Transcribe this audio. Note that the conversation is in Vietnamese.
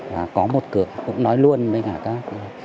và có một cửa cũng nói luôn với cả các